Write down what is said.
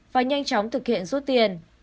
và nhanh chóng thực hiện rút tiền